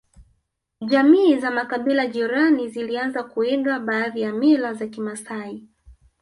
Jamii za makabila jirani zilianza kuiga baadhi ya mila za kimasai